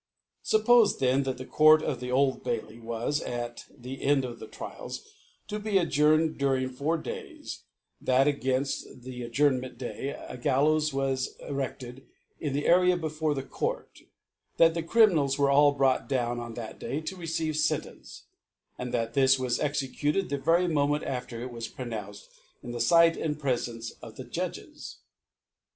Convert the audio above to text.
Supp'.fe then, that the Court at the Old ' ff^;/)' was, ar the End pf the Trials, to be acijcurncd during four Days ; that, againft the Adjournrnent c^ay, a Gallows was c rcftcd in the Area before the Court ; that the Criminals were all brought down on that Day to receive Sentence; and that this ■was executed the very Moment after it was pronounced, in the Sight and Prefence of the Judges.